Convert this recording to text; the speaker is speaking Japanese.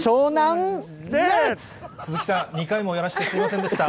鈴木さん、２回もやらしてすみませんでした。